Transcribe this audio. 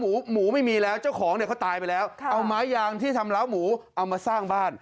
หมูหมูไม่มีแล้วเจ้าของเนี่ยเขาตายไปแล้วเอาไม้ยางที่ทำล้าหมูเอามาสร้างบ้าน